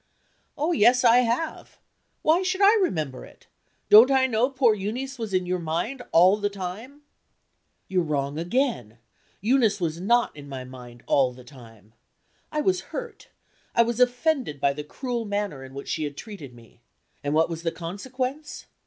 "Oh, yes, I have. Why should I remember it? Don't I know poor Euneece was in your mind, all the time?" "You're wrong again! Eunice was not in my mind all the time. I was hurt I was offended by the cruel manner in which she had treated me. And what was the consequence?